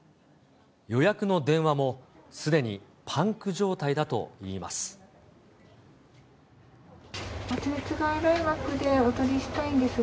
予約の電話もすでにパンク状態だといいます。